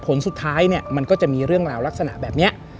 ผลสุดท้ายเนี่ยมันก็จะมีเรื่องราวลักษณะแบบนี้